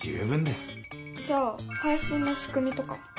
じゃあ配信のしくみとか？